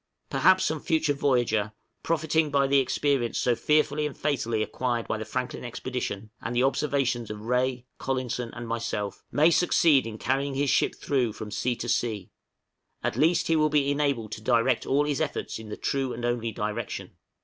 Perhaps some future voyager, profiting by the experience so fearfully and fatally acquired by the Franklin expedition, and the observations of Rae, Collinson, and myself, may succeed in carrying his ship through from sea to sea: at least he will be enabled to direct all his efforts in the true and only direction.